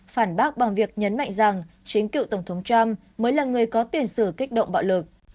phản bác bằng việc nhấn mạnh rằng chính cựu tổng thống trump mới là người có tiền sử kích động bạo lực